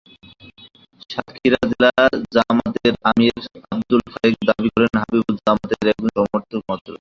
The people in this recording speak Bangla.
সাতক্ষীরা জেলা জামায়াতের আমির আবদুল খালেক দাবি করেন, হবিবুর জামায়াতের একজন সমর্থক মাত্র।